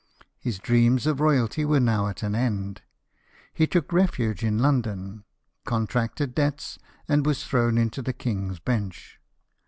His dreams of royalty were now at an end: he took refuge in London, contracted debts, and was thrown into the King's Bench.